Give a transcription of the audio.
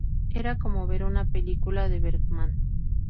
Era como ver una película de Bergman.